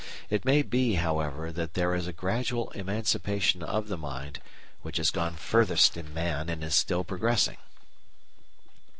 It may be, however, that there is a gradual emancipation of the mind which has gone furthest in Man and is still progressing.